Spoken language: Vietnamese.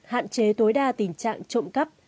hạn chế tối đa tình trạng trộm cắp